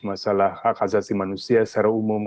masalah hak asasi manusia secara umum